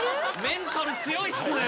メンタル強いっすね。